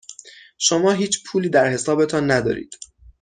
شما هیچ پولی در حسابتان ندارید.